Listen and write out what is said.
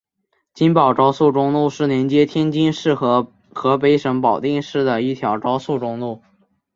津保高速公路是连接天津市和河北省保定市的一条高速公路。